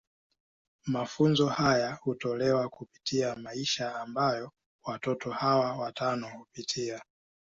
Mafunzo haya hutolewa kupitia maisha ambayo watoto hawa watano hupitia.